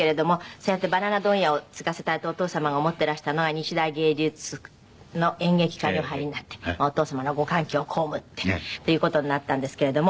そうやってバナナ問屋を継がせたいとお父様が思っていらしたのが日大芸術の演劇科にお入りになってお父様のご勘気を被ってという事になったんですけれども。